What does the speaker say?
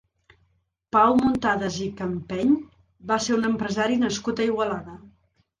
Pau Muntadas i Campeny va ser un empresari nascut a Igualada.